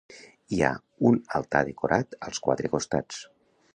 Hi ha un altar decorat als quatre costats.